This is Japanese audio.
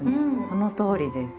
そのとおりです。